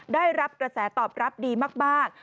ได้รับกระแสตอบรับดีมาก